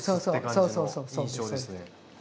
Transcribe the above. そうそうそうそうそう。